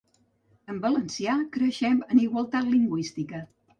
En valencià, creixem en igualtat lingüística